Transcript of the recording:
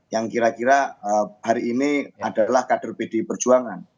yang kira kira hari ini adalah kader pdi perjuangan